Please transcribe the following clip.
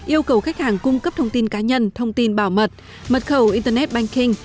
yêu cầu khách hàng cung cấp thông tin cá nhân thông tin bảo mật mật khẩu internet banking